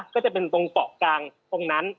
ก็จะเป็นตรงเกาะกลางตรงนั้น